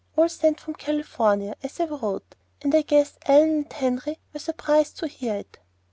All sent on from California, as I wrote, and I guess Ellen and Henry were surprised to hear it."